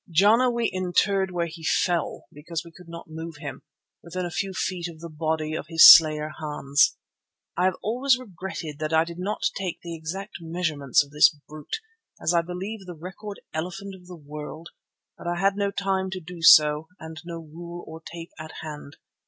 Jana we interred where he fell because we could not move him, within a few feet of the body of his slayer Hans. I have always regretted that I did not take the exact measurements of this brute, as I believe the record elephant of the world, but I had no time to do so and no rule or tape at hand.